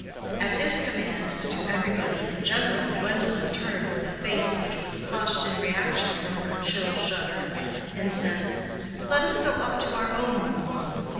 At this command to everybody in general Gwendolen turned with a face which was flushed in reaction from her chill shudder, and said, "Let us go up to our own room, mamma."